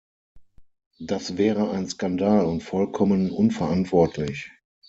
Das wäre ein Skandal und vollkommen unverantwortlich.